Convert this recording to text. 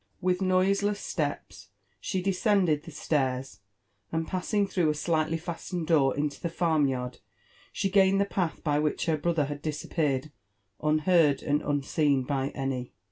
With, noiseless steps she descended the stairs, and passing, through a slightly fastened door into the farm *yard, she gained the path by which her brother had disappeared, unheard and unseen by any.